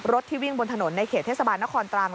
ที่วิ่งบนถนนในเขตเทศบาลนครตรัง